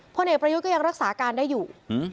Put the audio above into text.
พ่อเนกประวิทยุก็ยังรักษาการได้อยู่